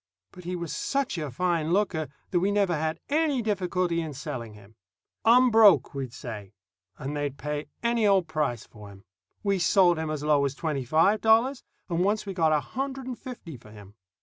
But he was such a fine looker that we never had any difficulty in selling him. "Unbroke," we'd say, and they'd pay any old price for him. We sold him as low as twenty five dollars, and once we got a hundred and fifty for him.